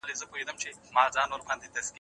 پوهانو د ستونزو د حل لپاره پروګرامونه جوړ کړل.